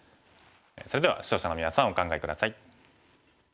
それでは視聴者のみなさんお考え下さい。